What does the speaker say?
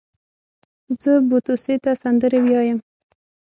زه بو توسې ته سندرې ويايم.